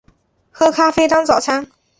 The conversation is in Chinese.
喝咖啡当早餐